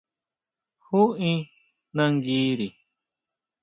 ¿Jú in nanguiri?